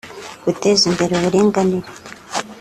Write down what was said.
guteza imbere uburinganire